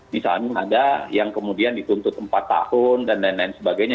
misalnya ada yang kemudian dituntut empat tahun dan lain lain sebagainya